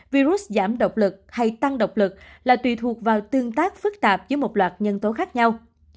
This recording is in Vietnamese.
virus giảm độc lực hay tăng độc lực là tùy thuộc vào tương tác phức tạp với một loạt nhân tố khác nhau